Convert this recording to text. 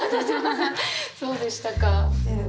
⁉そうでしたか。